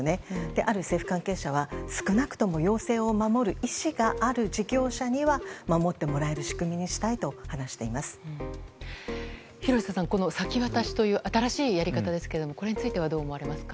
ある政府関係者は少なくとも要請を守る意思がある事業者には守ってもらえる仕組みにしたいと廣瀬さん、先渡しという新しいやり方ですけれどもこれについてはどう思われますか。